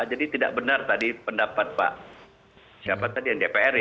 jadi tidak benar tadi pendapat pak siapa tadi yang dpr ya